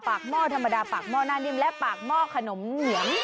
หม้อธรรมดาปากหม้อหน้านิ่มและปากหม้อขนมเหนียม